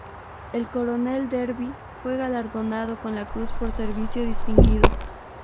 El coronel Darby fue galardonado con la Cruz por Servicio Distinguido.